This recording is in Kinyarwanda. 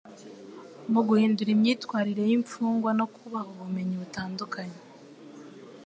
mu guhindura imyitwarire y'imfungwa no kubaha ubumenyi butandukanye.